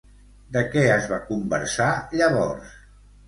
De què es va conversar llavors?